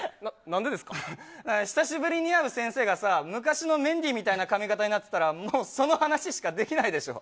久しぶりに会う先生が昔のメンディーみたいな髪形になっていたらもうその話しかできないでしょ。